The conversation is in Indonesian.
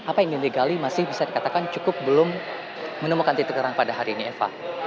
apa yang dilegali masih bisa dikatakan cukup belum menemukan titik terang pada hari ini eva